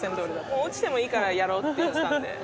もう落ちてもいいからやろうって言ってたんで。